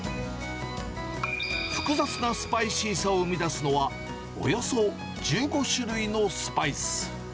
複雑なスパイシーさを生み出すのは、およそ１５種類のスパイス。